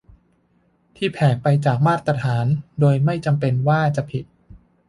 ที่แผกไปจากมาตรฐาน โดยไม่จำเป็นว่าจะผิด